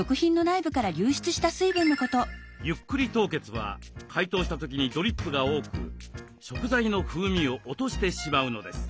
「ゆっくり凍結」は解凍した時にドリップが多く食材の風味を落としてしまうのです。